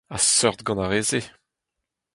A-seurt gant ar re-se.